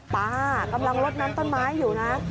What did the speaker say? ป้ากำลังลดน้ำต้นไม้อยู่นะ